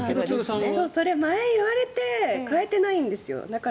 前、言われて変えてないんですよ。